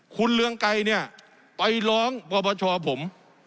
คุณเรืองไกรเนี่ยไปร้องปรปชผม